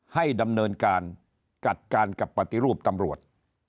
ให้ดำเนินการจัดการกับปฏิรูปตำรวจ